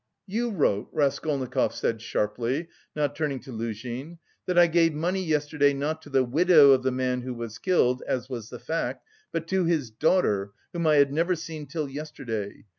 "You wrote," Raskolnikov said sharply, not turning to Luzhin, "that I gave money yesterday not to the widow of the man who was killed, as was the fact, but to his daughter (whom I had never seen till yesterday).